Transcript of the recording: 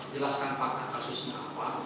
jelaskan fakta kasusnya apa